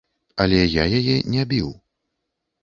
Але я яе не біў.